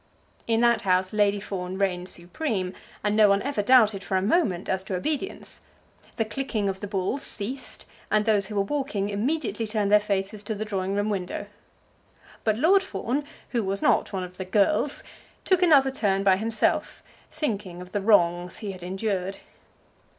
In that house Lady Fawn reigned supreme, and no one ever doubted, for a moment, as to obedience. The clicking of the balls ceased, and those who were walking immediately turned their faces to the drawing room window. But Lord Fawn, who was not one of the girls, took another turn by himself, thinking of the wrongs he had endured.